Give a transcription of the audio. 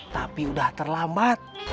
tapi udah terlambat